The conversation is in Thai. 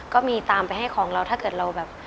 ก็มีตามไปให้ของเราถ้าเกิดเราแบบ